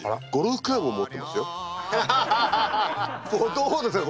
どうですか？